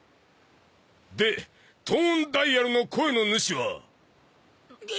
でトーンダイアルの声の主は？